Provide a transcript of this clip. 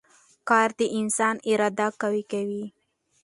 کار د انسان اراده قوي کوي